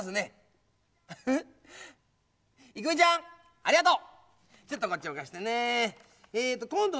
えりちゃんありがとう！